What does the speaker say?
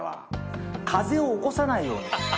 風を起こさないように。